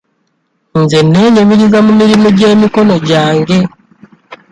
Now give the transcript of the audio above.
Nze neenyumiriza mu mirimu gy'emikono gyange.